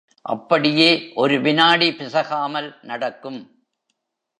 அப்படியே ஒரு விநாடி பிசகாமல் நடக்கும்.